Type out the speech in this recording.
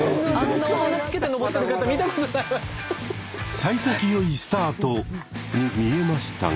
さい先よいスタートに見えましたが。